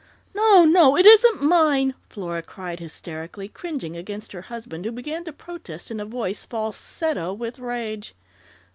"No, no! It isn't mine!" Flora cried hysterically, cringing against her husband, who began to protest in a voice falsetto with rage.